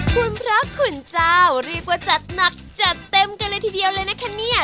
คุณพระคุณเจ้าเรียกว่าจัดหนักจัดเต็มกันเลยทีเดียวเลยนะคะเนี่ย